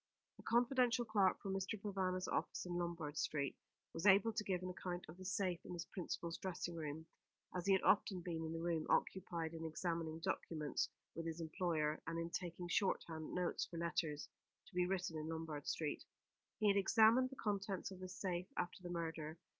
A confidential clerk from Mr. Provana's office in Lombard Street was able to give an account of the safe in his principal's dressing room, as he had often been in the room, occupied in examining documents with his employer, and in taking shorthand notes for letters to be written in Lombard Street. He had examined the contents of this safe after the murder.